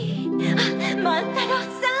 あっ万太郎さん！